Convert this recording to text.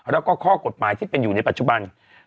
แล้วก็ข้อกฎหมายที่เป็นอยู่ในปัจจุบัน